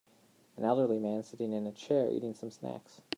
An elderly man sitting in a chair, eating some snacks.